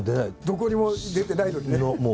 どこにも出てないのにね。